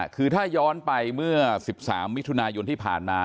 คือถ้าย้อนไปเมื่อ๑๓มิถุนายนที่ผ่านมา